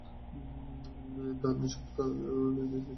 দান সদকার নির্দেশ দিত।